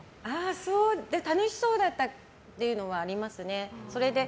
楽しそうだったっていうのはありますね。